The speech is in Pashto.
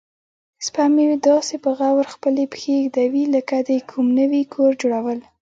سپی مې داسې په غور خپلې پښې ږدوي لکه د کوم نوي کور جوړول.